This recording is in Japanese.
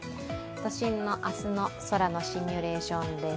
都心の明日の空のシミュレーションです。